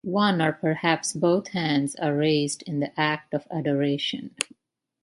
One or perhaps both hands are raised in the act of adoration.